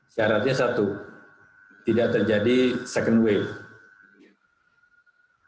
syaratnya satu tidak terjadi second wave